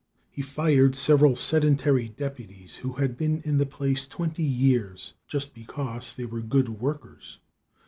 He fired several sedentary deputies who had been in the place twenty years just because they were good "workers."